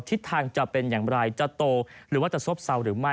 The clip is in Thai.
ทิศทางจะเป็นอย่างไรจะโตหรือว่าจะซบเซาหรือไม่